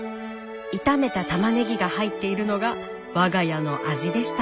炒めたたまねぎが入っているのが「我が家の味」でした。